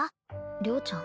良ちゃん？